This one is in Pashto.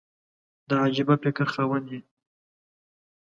د عجبه فکر خاوند یې !